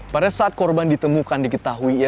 pada saat korban ditemukan diketahui ia berada di dalam rumah